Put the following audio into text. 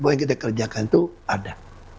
bahwa yang kita kerjakan itu ada